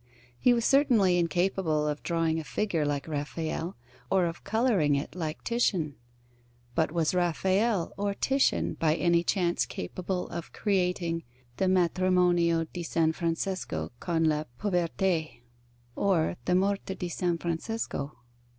He was certainly incapable of drawing a figure like Raphael, or of colouring it like Titian; but was Raphael or Titian by any chance capable of creating the Matrimonio di San Francesco con la Povertà, or the Morte di San Francesco?